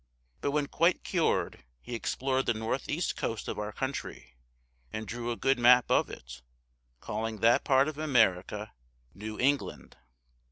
But when quite cured he explored the northeast coast of our country, and drew a good map of it, calling that part of America New England.